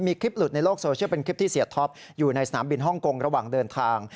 มีคลิปหลุดในโลกโซเชียลเป็นคลิปที่เสียท็อปอยู่ในสนามบินฮ่องกงระหว่างเดินทาง